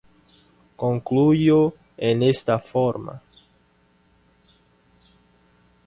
Concluyó en esta forma: